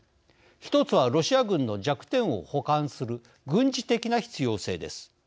一つはロシア軍の弱点を補完する軍事的な必要性です。